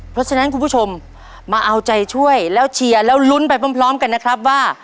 เพราะฉะนั้นคุณผู้ชมมาเอาใจช่วยแล้วเชียร์แล้วลุ้นไปพร้อมกันนะครับว่า